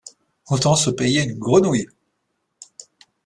Autant se payer une grenouille...